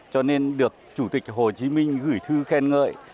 cho nên được chủ tịch hồ chí minh gửi thư khen ngợi